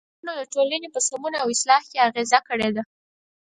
دې لیکنو د ټولنې په سمون او اصلاح کې اغیزه کړې ده.